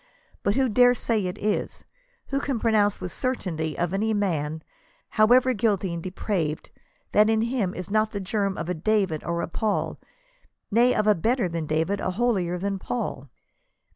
But who dare say it is? Who can pronounce with certainty of any man, however guilty and de praved, that in him is not the germ of a David or a Paul ;— nay, of a hetter than David, a holier than Paul